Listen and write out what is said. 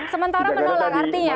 sementara menolak artinya